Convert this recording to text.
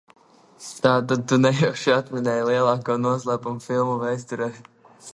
Tātad tu nejauši atminēji lielāko noslēpumu filmu vēsturē?